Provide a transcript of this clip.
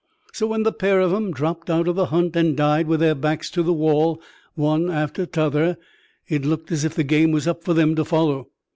So, when the pair of 'em dropped out of the hunt, and died with their backs to the wall, one after t'other, it looked as if the game was up for them to follow.